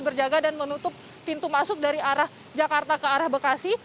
berjaga dan menutup pintu masuk dari arah jakarta ke arah bekasi